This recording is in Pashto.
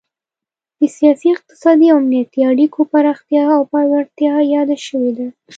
د سیاسي، اقتصادي او امنیتي اړیکو پراختیا او پیاوړتیا یاده شوې ده